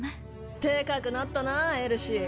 デカくなったなエルシー。